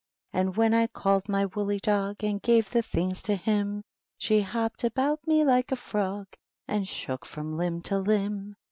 And when I called my woolly dog. And gave the things to him. She hopped about me like a frog. And shook from limb to limb.